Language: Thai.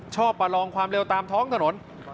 ประลองความเร็วตามท้องถนน